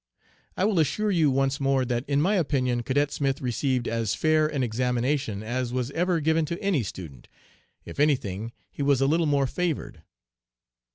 I will assure you once more that in my opinion Cadet Smith received as fair an examination as was ever given to any student. If anything, he was a little more favored.'